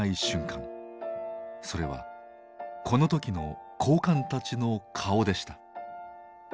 それはこの時の高官たちの顔でした。